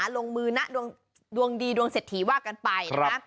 รักษณะลงมือดวงดีดวงเสดทีวากันไป